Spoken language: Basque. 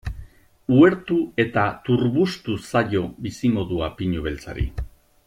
Uhertu eta turbustu zaio bizimodua pinu beltzari.